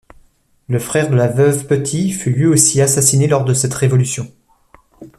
Le frère de la veuve Petit fut lui aussi assassiné lors de cette Révolution.